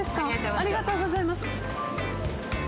ありがとうございます。